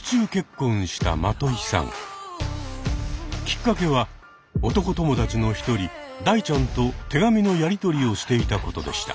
きっかけは男友達の一人ダイちゃんと手紙のやり取りをしていたことでした。